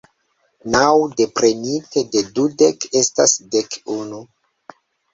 Naŭ deprenite de dudek estas dek unu.